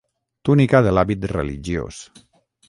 Túnica de l'hàbit religiós.